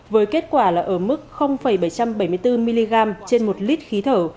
với kết quả là ở mức bảy trăm bảy mươi bốn mg trên một lít khí thở